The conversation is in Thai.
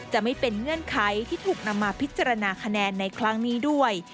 จะไม่เป็นเงื่อนไขที่ถูกนำมาพิจารณาคะแนนในครั้งนี้ด้วย